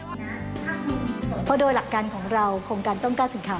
เพราะโดยหลักการของเราโครงการต้องกล้าสินค้า